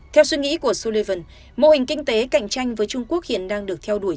theo suy nghĩ của sullivan mô hình kinh tế cạnh tranh với trung quốc hiện đang được theo đuổi